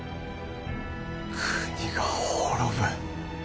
国が滅ぶ。